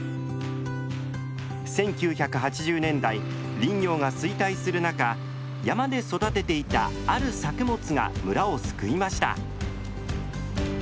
１９８０年代林業が衰退する中山で育てていたある作物が村を救いました。